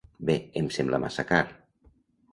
Bé, em sembla massa car.